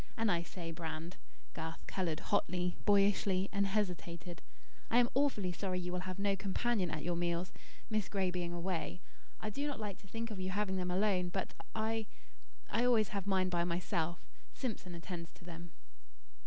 And I say, Brand," Garth coloured hotly, boyishly, and hesitated, "I am awfully sorry you will have no companion at your meals, Miss Gray being away. I do not like to think of you having them alone, but I I always have mine by myself. Simpson attends to them."